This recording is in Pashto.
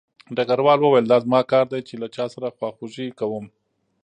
ډګروال وویل دا زما کار دی چې له چا سره خواخوږي کوم